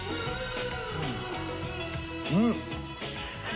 うん！